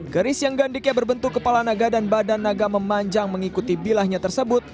keris yang gandiknya berbentuk kepala naga dan badan naga memanjang mengikuti bilahnya tersebut